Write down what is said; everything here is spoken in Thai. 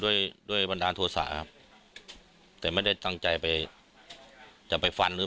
ด้วยด้วยบันดาลโทษะครับแต่ไม่ได้ตั้งใจไปจะไปฟันหรือ